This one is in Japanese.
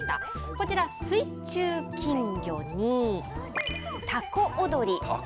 こちら、水中金魚に、たこおどり。